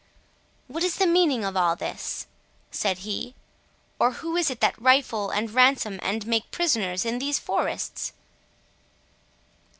"What is the meaning of all this," said he, "or who is it that rifle, and ransom, and make prisoners, in these forests?"